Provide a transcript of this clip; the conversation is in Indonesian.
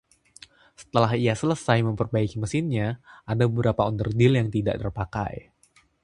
Setelah ia selesai memperbaiki mesinnya, ada beberapa onderdil yang tidak terpakai.